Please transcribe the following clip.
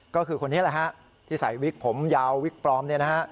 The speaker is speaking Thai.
ก็คือคนนี้แหละฮะที่ใส่วิกผมยาววิกปลอมเนี่ยนะฮะ